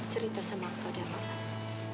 cerita sama aku deh mas